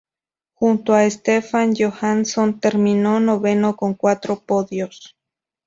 Junto a Stefan Johansson, terminó noveno con cuatro podios.